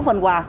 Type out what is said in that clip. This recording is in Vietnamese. sáu phần quà